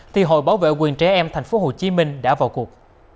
thì hội bảo vệ quyền trẻ em tp hcm đã vào cuộc